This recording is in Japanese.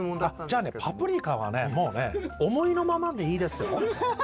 じゃあねパプリカはね思いのままでいいですよ。